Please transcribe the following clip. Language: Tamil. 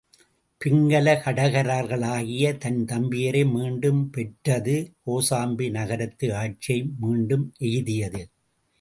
பிங்கல கடகர்களாகிய தன் தம்பியரை மீண்டும் பெற்றது, கோசாம்பி நகரத்து ஆட்சியை மீண்டும் எய்தியது.